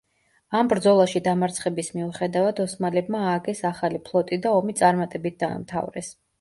ამ ბრძოლაში დამარცხების მიუხედავად ოსმალებმა ააგეს ახალი ფლოტი და ომი წარმატებით დაამთავრეს.